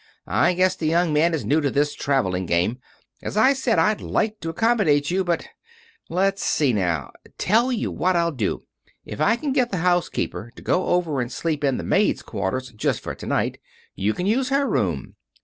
"I guess the young man is new to this traveling game. As I said, I'd like to accommodate you, but Let's see now. Tell you what I'll do. If I can get the housekeeper to go over and sleep in the maids' quarters just for to night, you can use her room.